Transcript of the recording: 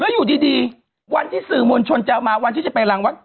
อยู่ดีวันที่สื่อมวลชนจะเอามาวันที่จะไปรังวัด